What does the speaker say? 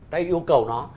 ta yêu cầu nó